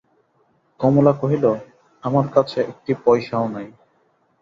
কমলা কহিল, আমার কাছে একটি পয়সাও নাই।